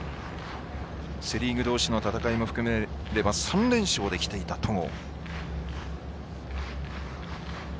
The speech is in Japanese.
セ・リーグどうしの戦いも含めれば３連勝できていた戸郷。